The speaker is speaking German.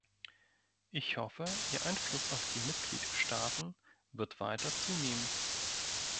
Ich hoffe, ihr Einfluss auf die Mitgliedstaaten wird weiter zunehmen.